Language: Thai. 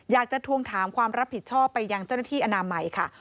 ทวงถามความรับผิดชอบไปยังเจ้าหน้าที่อนามัยค่ะ